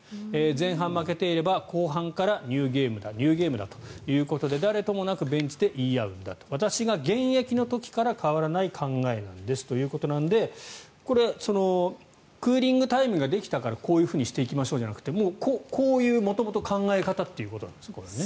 前半、負けていれば後半からニューゲームだニューゲームだと誰ともなくベンチで言い合う私が現役の時から変わらない考えなんですということでこれはクーリングタイムができたからこうしていきましょうじゃなくてこういう元々考え方ということですね。